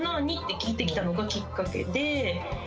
聞いてきたのがきっかけで。